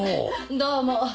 どうも。